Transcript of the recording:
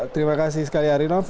terima kasih sekali arinof